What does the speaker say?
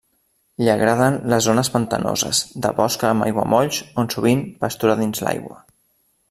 Li agraden les zones pantanoses de boscs amb aiguamolls, on sovint pastura dins l'aigua.